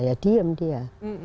ya diem dia